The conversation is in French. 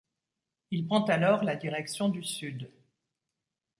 Il prend alors la direction du sud.